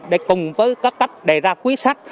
để cùng với các cách đề ra quyết sách